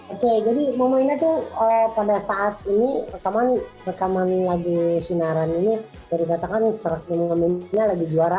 oke jadi mama ina tuh pada saat ini rekaman rekaman lagu sinaran ini jadi katakan seraknya lagi juara